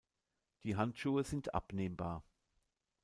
Die Handschuhe sind abnehmbar.